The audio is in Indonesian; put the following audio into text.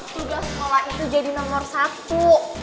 tugas sekolah itu jadi nomor satu